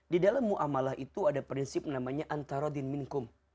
di dalam mu'amalah itu ada prinsip namanya antara din minkum